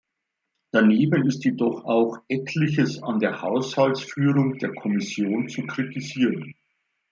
Daneben ist jedoch auch etliches an der Haushaltsführung der Kommission zu kritisieren.